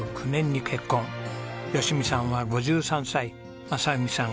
吉美さんは５３歳正文さん